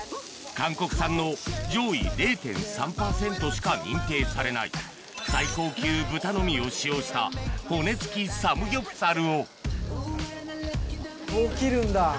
韓国産の上位０．３％しか認定されない最高級豚のみを使用したこう切るんだ。